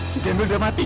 si gebel udah mati